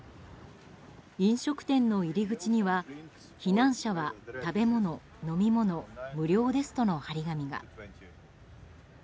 飲食店の入り口には避難者は食べ物、飲み物無料ですとの貼り紙が。